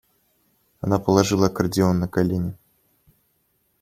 Она положила аккордеон на колени